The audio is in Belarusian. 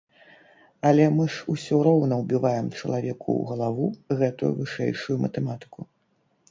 Але мы ж усё роўна ўбіваем чалавеку ў галаву гэтую вышэйшую матэматыку.